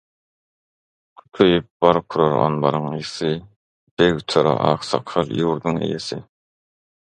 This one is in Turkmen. Kükeýip bark urar anbaryň ysy, Beg, töre, aksakal ýurduň eýesi,